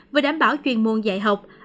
và đảm bảo chuyên muôn dạy học